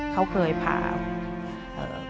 เขาเคยผ่ากระดูกเกาะ